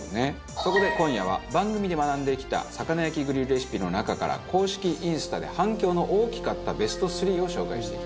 そこで今夜は番組で学んできた魚焼きグリルレシピの中から公式インスタで反響の大きかったベスト３を紹介していきます。